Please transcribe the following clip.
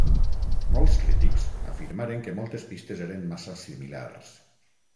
Molts crítics afirmaren que moltes pistes eren massa similars.